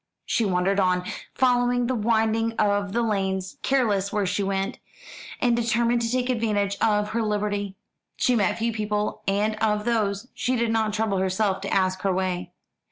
She wandered on, following the winding of the lanes, careless where she went, and determined to take advantage of her liberty. She met few people, and of those she did not trouble herself to ask her way.